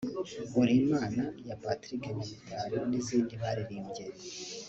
Uri Imana ya Patrick Nyamitali n'izindi baririmbye